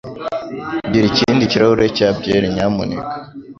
Gira ikindi kirahure cya byeri, nyamuneka.